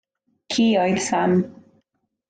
Ci oedd Sam.